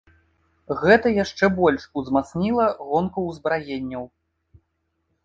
Гэта яшчэ больш узмацніла гонку ўзбраенняў.